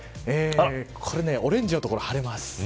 これ、オレンジの所、晴れます。